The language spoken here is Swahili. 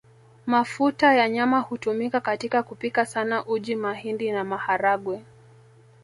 Mafuta ya nyama hutumika katika kupika sana uji mahindi na maharagwe